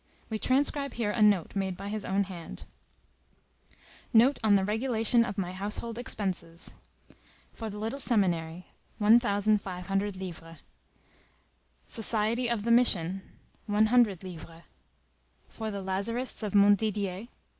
We transcribe here a note made by his own hand:— NOTE ON THE REGULATION OF MY HOUSEHOLD EXPENSES. For the little seminary .............. 1,500 livres Society of the mission .............. 100 " For the Lazarists of Montdidier